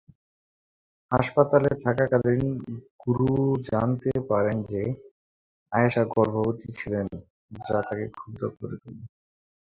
হাসপাতালে থাকাকালীন গুরু জানতে পারেন যে আয়েশা গর্ভবতী ছিলেন যা তাকে ক্ষুব্ধ করে তোলে।